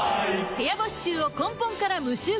部屋干し臭を根本から無臭化